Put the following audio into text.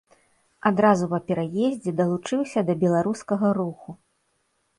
Адразу па пераездзе далучыўся да беларускага руху.